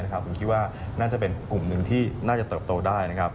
ผมคิดว่าน่าจะเป็นกลุ่มหนึ่งที่น่าจะเติบโตได้